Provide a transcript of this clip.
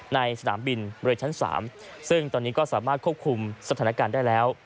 สนามบินบริเวณชั้น๓ซึ่งตอนนี้ก็สามารถควบคุมสถานการณ์ได้แล้ว